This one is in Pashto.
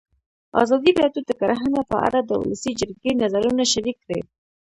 ازادي راډیو د کرهنه په اړه د ولسي جرګې نظرونه شریک کړي.